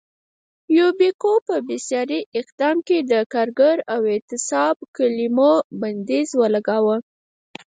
یوبیکو په بېساري اقدام کې د کارګر او اعتصاب کلیمو بندیز ولګاوه.